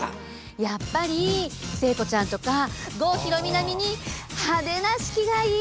やっぱり聖子ちゃんとか郷ひろみ並みにハデな式がいい！